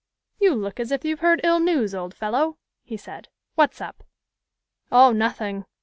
"You look as if you had heard ill news, old fellow," he said. "What's up?" "Oh, nothing!"